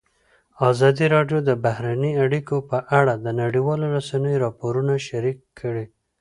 ازادي راډیو د بهرنۍ اړیکې په اړه د نړیوالو رسنیو راپورونه شریک کړي.